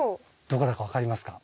どこだか分かりますか？